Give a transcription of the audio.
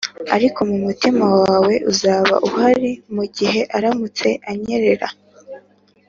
ariko mu mutima wawe uzaba uhari mugihe aramutse anyerera.